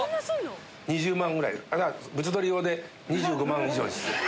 ２０万ぐらい物撮り用で２５万以上です。